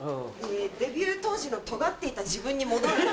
デビュー当時の尖っていた自分に戻る。